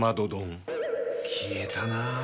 消えたな。